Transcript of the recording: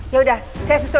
ya udah saya susul kesana